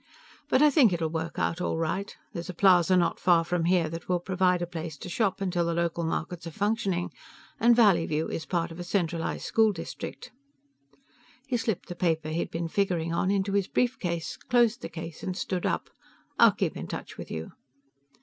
But I think it'll work out all right. There's a plaza not far from here that will provide a place to shop until the local markets are functioning, and Valleyview is part of a centralized school district." He slipped the paper he had been figuring on into his brief case, closed the case and stood up. "I'll keep in touch with you."